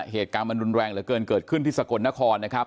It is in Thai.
เหตุการณ์มันรุนแรงเหลือเกินเกิดขึ้นที่สกลนครนะครับ